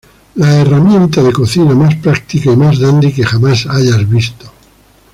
La herramienta de cocina más práctica y más dandy que jamás hayas visto.